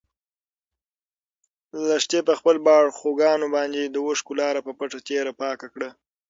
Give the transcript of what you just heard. لښتې په خپلو باړخوګانو باندې د اوښکو لاره په پټه تېره پاکه کړه.